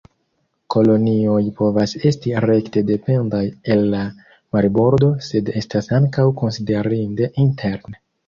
Kolonioj povas esti rekte dependaj el la marbordo sed estas ankaŭ konsiderinde interne.